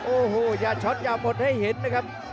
โอ้โหอย่าช็อตอย่าหมดให้เห็นนะครับ